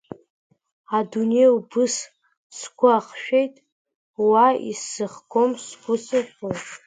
Адунеи убыс сгәы ахшәеит, уа, исзыхгом, сгәы сыхьуеит…